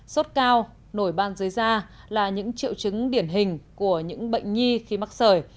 sốt cao nổi ban dưới da là những triệu chứng điển hình của những bệnh nhi khi mắc sởi